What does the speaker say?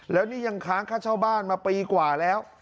แล้วนี่ยังค้างค่าเช่าบ้านมาปีกว่าแล้ว